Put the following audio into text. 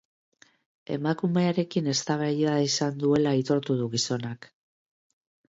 Emakumearekin eztabaida izan duela aitortu du gizonak.